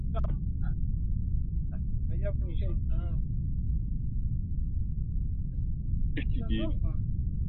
Baada ya Marekani kwani imeweza kuwa usemi mkubwa sana na